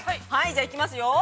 行きますよ。